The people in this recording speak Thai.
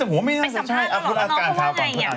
ไปสัมภาษณ์เหรอว่าน้องเขาว่าไงเนี่ย